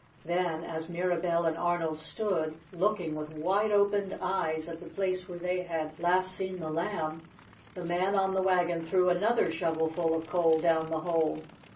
Then as Mirabell and Arnold stood, looking with wide opened eyes at the place where they had last seen the Lamb, the man on the wagon threw another shovelful of coal down the hole.